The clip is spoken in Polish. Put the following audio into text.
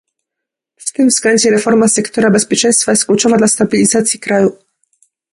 W tym względzie reforma sektora bezpieczeństwa jest kluczowa dla stabilizacji kraju